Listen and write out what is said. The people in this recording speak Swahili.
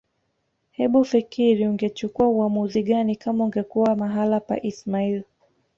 Hebufikiri ungechukua uamuzi gani kama ungekuwa mahala pa ismail